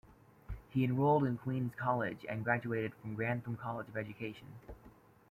He enrolled in Queen's college and graduated from Grantham College of Education.